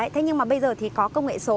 thế nhưng mà bây giờ thì có công nghệ số